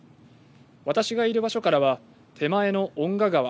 私がいる場所からは手前の遠賀川